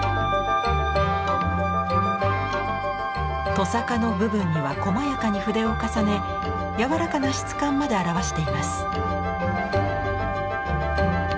とさかの部分にはこまやかに筆を重ねやわらかな質感まで表しています。